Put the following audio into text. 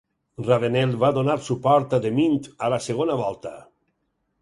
Ravenel va donar suport a DeMint a la segona volta.